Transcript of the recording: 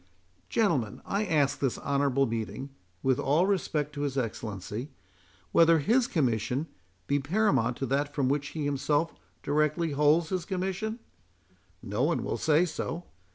Gentlemen, I ask this honourable meeting, (with all respect to his Excellency,) whether his Commission be paramount to that from which he himself directly holds his commission? No one will say so.